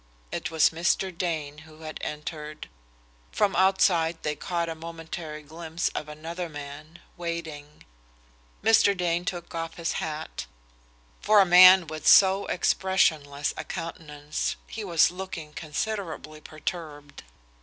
It was Mr. Dane who had entered. From outside they caught a momentary glimpse of another man, waiting. Mr. Dane took off his hat. For a man with so expressionless a countenance, he was looking considerably perturbed.